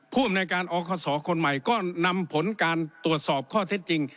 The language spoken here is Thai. ผู้อำนวยการอคศคนใหม่ก็นำผลการตรวจสอบข้อเท็จจริง